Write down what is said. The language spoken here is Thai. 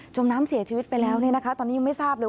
มน้ำเสียชีวิตไปแล้วตอนนี้ยังไม่ทราบเลย